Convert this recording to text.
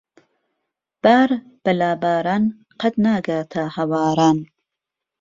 بار بە لاباران قەت ناگاتە ھەواران.